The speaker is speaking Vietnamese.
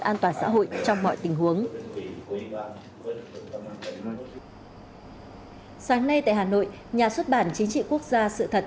an toàn xã hội trong mọi tình huống sáng nay tại hà nội nhà xuất bản chính trị quốc gia sự thật